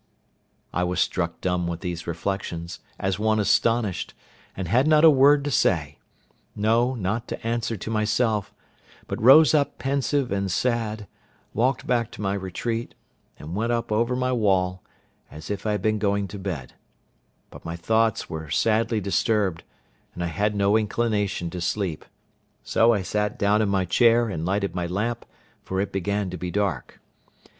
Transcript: I was struck dumb with these reflections, as one astonished, and had not a word to say—no, not to answer to myself, but rose up pensive and sad, walked back to my retreat, and went up over my wall, as if I had been going to bed; but my thoughts were sadly disturbed, and I had no inclination to sleep; so I sat down in my chair, and lighted my lamp, for it began to be dark.